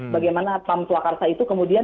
bagaimana pam swakarsa itu kemudian